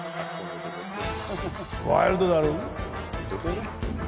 ワイルドだろう？